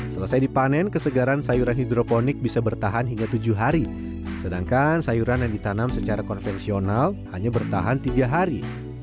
selesai dipanen kesegaran sayuran hidroponik bisa bertahan hingga tujuh hari sedangkan sayuran yang ditanam secara konvensional hanya bertahan tiga hari